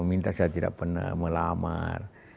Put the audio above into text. meminta saya tidak pernah melamar